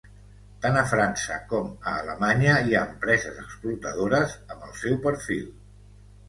Tant a França com a Alemanya hi ha empreses explotadores amb el seu perfil.